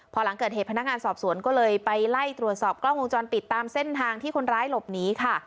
พอหลังเกิดเหตุพนักงานสอบสวนก็เลยไปไล่ตรวจสอบกล้องวงจรปิดตามเส้นทางที่คนร้ายหลบหนีค่ะ